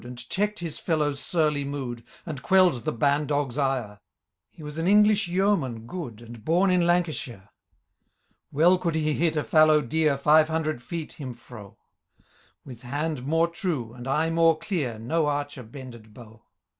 And check'd his fellow's surly mooii. And quell'd the ban dog's ire : He was an English yeoman good. And bom in Lancashire. Well could he hit a fallow deer Five hundred feet him fro ; With hand more true, and eye jsasn clear. No archer bended bow.